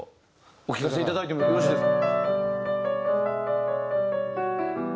お聴かせいただいてもよろしいですか？